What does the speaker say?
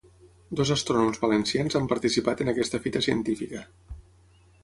Dos astrònoms valencians han participat en aquesta fita científica.